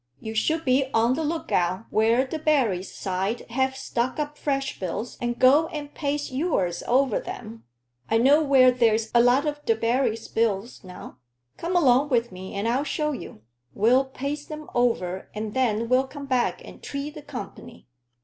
You should be on the look out when Debarry's side have stuck up fresh bills, and go and paste yours over them. I know where there's a lot of Debarry's bills now. Come along with me and I'll show you. We'll paste them over, and then we'll come back and treat the company."